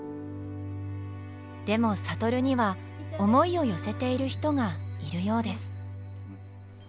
でも智には思いを寄せている人がいるようです。